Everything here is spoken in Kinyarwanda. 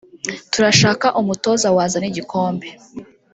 turashaka umutoza wazana igikombe